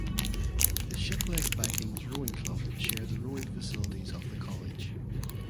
The Shiplake Vikings Rowing Club share the rowing facilities of the college.